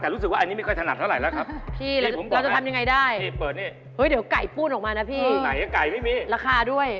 แต่รู้สึกว่าอันนี้ไม่ค่อยถนัดเท่าไหร่แล้วครับ